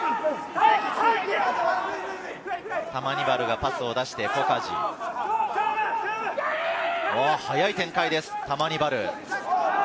タマニバルがパスを出して、早い展開です、タマニバル。